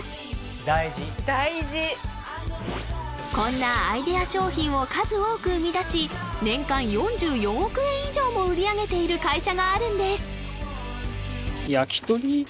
大事大事こんなアイデア商品を数多く生み出し年間４４億円以上も売り上げている会社があるんです